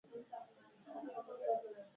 ستاسې په ذهن کې هم دغه ډول یو نبوغ ویده دی